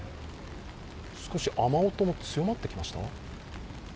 少し雨音も強まってきました？